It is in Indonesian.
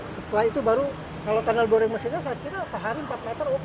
setelah itu baru kalau tunnel boring mesinnya saya kira sehari empat meter